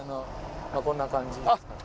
こんな感じですかね。